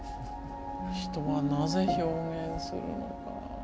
「人はなぜ表現するのか？」。